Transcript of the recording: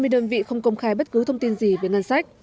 hai mươi đơn vị không công khai bất cứ thông tin gì về ngân sách